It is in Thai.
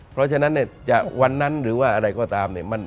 เพราะฉะนั้นเนี่ยจะวันนั้นหรือว่าอะไรก็ตามเนี่ย